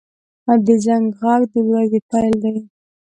• د زنګ غږ د ورځې پیل دی.